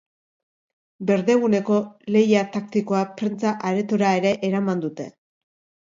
Berdeguneko lehia taktikoa prentsa-aretora ere eraman dute.